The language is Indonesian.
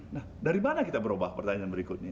nah dari mana kita berubah pertanyaan berikutnya